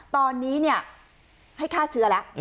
ตอนนี้ให้ฆ่าเชื้อแล้ว